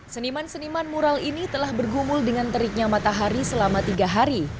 seniman seniman mural ini telah bergumul dengan teriknya matahari selama tiga hari